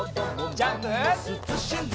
ジャンプ！